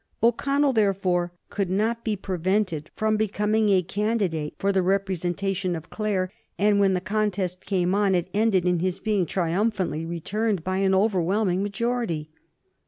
O'Connell, therefore, could not be prevented from becoming a candidate for the representation of Clare, and when the contest came on it ended in his being triumphantly returned by an overwhelming majority.